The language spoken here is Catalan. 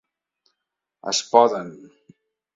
Es poden.